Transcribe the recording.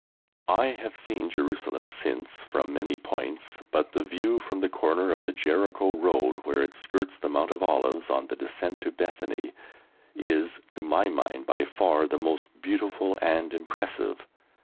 I have seen Jerusalem since from many points, but the view from the corner of the Jericho Road, where it skirts the Mount of Olives on the descent to Bethany, is, to my mind, by far the most beautiful and impressive.